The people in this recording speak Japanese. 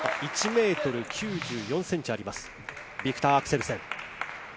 １ｍ９４ｃｍあります、ビクター・アクセルセン。